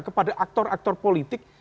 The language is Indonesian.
kepada aktor aktor politik